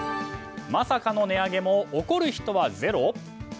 まさかの値上げも怒る人はゼロ？